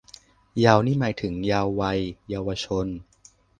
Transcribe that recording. เยาว์ นี้หมายถึง เยาว์วัย เยาวชน